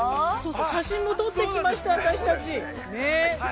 ◆写真も撮ってきました、私たち。